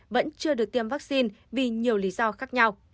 vẫn chưa được tiêm vaccine vì nhiều lý do khác nhau